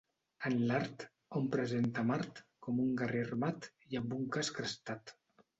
En l'art, hom presenta Mart com un guerrer armat i amb un casc crestat.